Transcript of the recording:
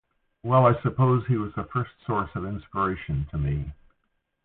Well, I suppose he was the first source of inspiration to me.